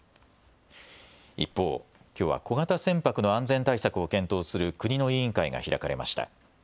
一方、きょうは小型船舶の安全対策を検討する国の委員会が開かれました。